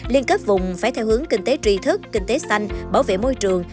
liên kết vùng phải theo hướng kinh tế tri thức kinh tế xanh bảo vệ môi trường